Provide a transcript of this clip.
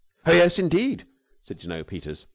"Oh, yes, indeed!" said Jno. Peters.